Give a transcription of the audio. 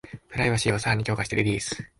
プライバシーをさらに強化してリリース